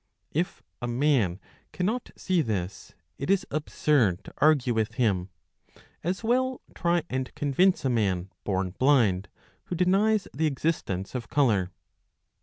If a man cannot see this, it is absurd to argue with him ; as well try and convince a man born blind, who denies the existence of colour.